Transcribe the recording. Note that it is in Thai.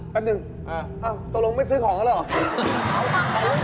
แปดนึงตรงนี้ไม่ซื้อของแล้วเหรอเอาไป